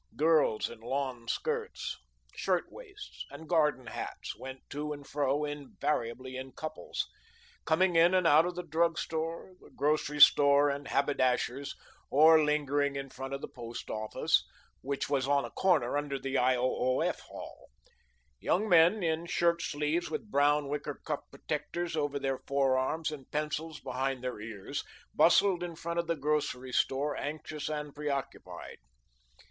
Girls in lawn skirts, shirt waists, and garden hats, went to and fro, invariably in couples, coming in and out of the drug store, the grocery store, and haberdasher's, or lingering in front of the Post Office, which was on a corner under the I.O.O.F. hall. Young men, in shirt sleeves, with brown, wicker cuff protectors over their forearms, and pencils behind their ears, bustled in front of the grocery store, anxious and preoccupied.